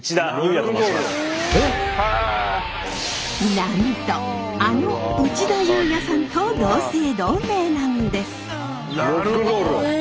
なんとあの内田裕也さんと同姓同名なんです。